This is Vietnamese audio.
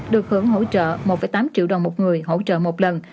được hưởng hỗ trợ một tám triệu đồng một người hỗ trợ một lần